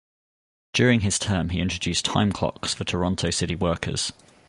During his term, he introduced time clocks for Toronto city workers.